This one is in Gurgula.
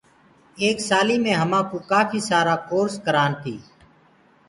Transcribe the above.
ايڪ سآليٚ مي همآ ڪوٚ ڪاڦيٚ سآرآ ڪورس ڪرآن تي۔